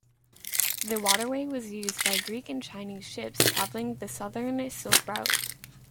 The waterway was used by Greek and Chinese ships travelling the southern Silk Route.